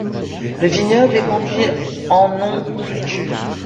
Le vignoble est conduit en non culture.